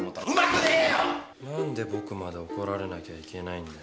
何で僕まで怒られなきゃいけないんだよ。